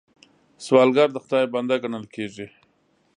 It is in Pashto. سوالګر د خدای بنده ګڼل کېږي